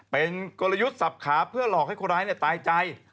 เป็นกลยุทธ์สับขาเพื่อหลอกให้คนร้ายตายใจ